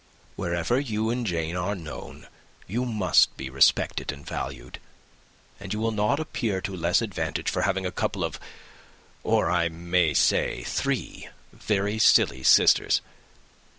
Wherever you and Jane are known, you must be respected and valued; and you will not appear to less advantage for having a couple of or I may say, three very silly sisters.